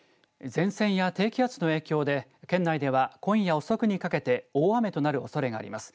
前線や低気圧の影響で県内では今夜遅くにかけて大雨となるおそれがあります。